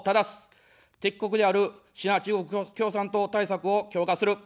敵国であるシナ、中国共産党対策を強化する。